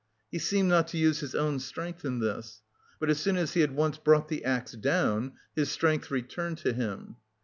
He seemed not to use his own strength in this. But as soon as he had once brought the axe down, his strength returned to him.